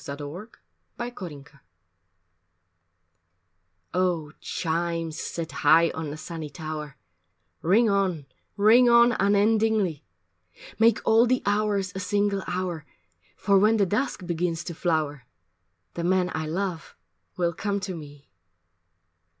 III OVER THE ROOFS I OH chimes set high on the sunny tower Ring on, ring on unendingly, Make all the hours a single hour, For when the dusk begins to flower, The man I love will come to me!